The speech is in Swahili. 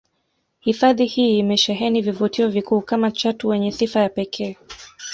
Hifadhi hii imesheheni vivutio vikuu kama chatu wenye sifa ya pekee